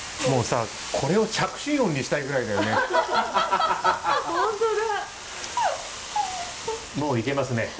もういけますね。